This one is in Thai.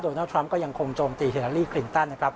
โดนัลดทรัมป์ก็ยังคงโจมตีฮิลาลีคลินตันนะครับ